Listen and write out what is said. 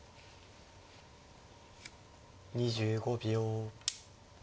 ２５秒。